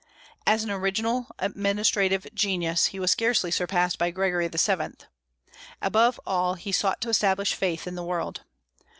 As an original administrative genius he was scarcely surpassed by Gregory VII. Above all, he sought to establish faith in the world.